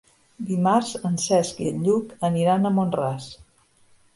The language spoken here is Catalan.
Dimarts en Cesc i en Lluc aniran a Mont-ras.